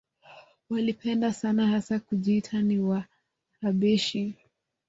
Walipenda sana hasa kujiita ni Wahabeshi